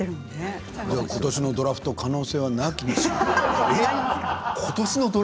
ことしのドラフト可能性はなきにしも。